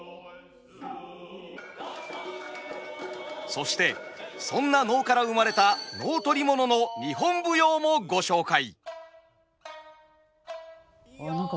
そしてそんな能から生まれた「能取り物」の日本舞踊もご紹介。